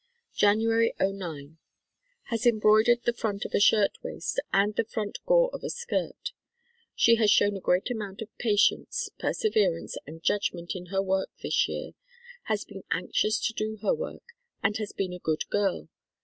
Jan. '09. Has embroidered the front of a shirt waist and the front gore of a skirt. She has shown a great amount of patience, perseverance, and judg ment in her work this year, has been anxious to do her work, and has been a good girl.